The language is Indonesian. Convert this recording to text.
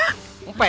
bisa manjat ya